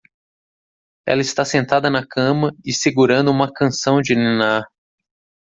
Ela está sentada na cama e segurando uma canção de ninar